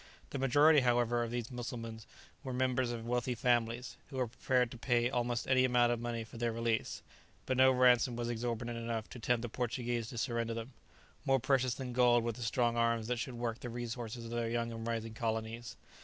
The majority, however, of these Mussulmans were members of wealthy families, who were prepared to pay almost any amount of money for their release; but no ransom was exorbitant enough to tempt the Portuguese to surrender them; more precious than gold were the strong arms that should work the resources of their young and rising colonies.